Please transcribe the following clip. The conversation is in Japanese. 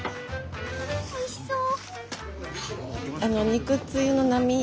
おいしそう！